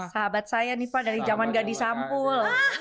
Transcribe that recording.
sahabat saya nih pak dari zaman gak disampul